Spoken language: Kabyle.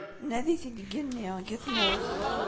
Nadi-t-id deg yigenni, deg tmurt.